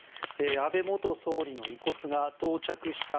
安倍元総理の遺骨が到着した